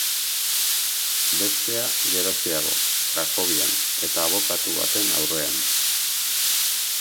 Bestea, geroxeago, Krakovian, eta abokatu baten aurrean.